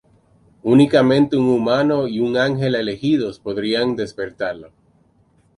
Únicamente un humano y un ángel elegidos podrían despertarlo.